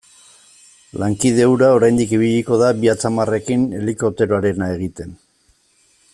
Lankide hura oraindik ibiliko da bi atzamarrekin helikopteroarena egiten.